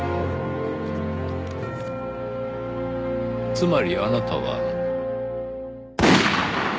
つまりあなたは。